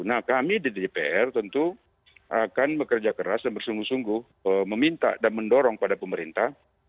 nah kami di dpr tentu akan bekerja keras dan bersungguh sungguh meminta dan mendorong pada pemerintah